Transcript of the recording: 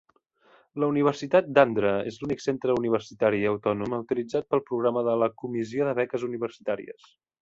La Universitat d'Andhra és l'únic centre universitari autònom autoritzat pel programa de la "Comissió de Beques Universitàries".